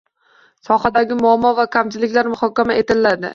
Sohadagi muammo va kamchiliklar muhokama etildi.